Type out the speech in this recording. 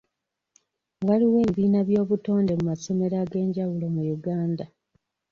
Waliwo ebibiina by'obutonde mu masomero ag'enjawulo mu Uganda.